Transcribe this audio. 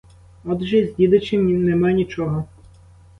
Отже, з дідичем нема нічого.